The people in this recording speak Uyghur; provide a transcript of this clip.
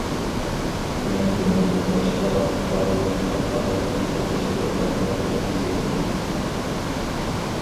مەن بۇنىڭدىن باشقا، بارلىق خەلقئارالىق چوڭ تەشكىلاتلارغا خەت يېزىۋاتىمەن.